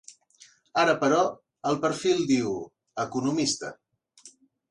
Ara, però, al perfil diu: Economista.